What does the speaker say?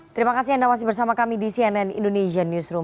terima kasih anda masih bersama kami di cnn indonesia newsroom